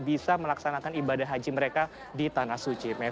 jadiimento juga tanggung jawab dari anak ayah nus nsa bertemauf maaf